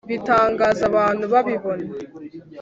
Bitangaza abantu babibona.